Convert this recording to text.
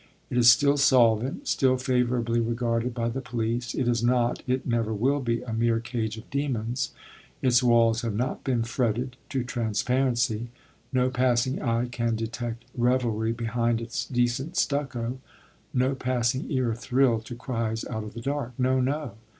It is still solvent, still favourably regarded by the police. It is not, it never will be, a mere cage of demons; its walls have not been fretted to transparency; no passing eye can detect revelry behind its decent stucco; no passing ear thrill to cries out of the dark. No, no.